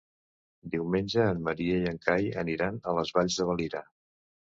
Diumenge en Maria i en Cai aniran a les Valls de Valira.